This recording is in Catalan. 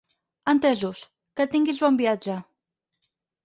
Entesos. Que tinguis bon viatge!